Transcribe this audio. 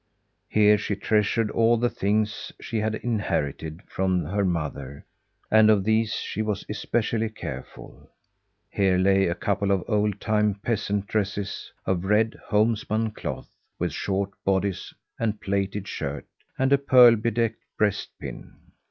Here she treasured all the things she had inherited from her mother, and of these she was especially careful. Here lay a couple of old time peasant dresses, of red homespun cloth, with short bodice and plaited shirt, and a pearl bedecked breast pin.